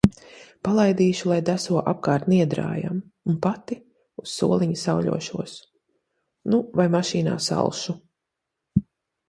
Palaidīšu, lai deso apkārt Niedrājam, un pati uz soliņa sauļošos. Nu vai mašīnā salšu.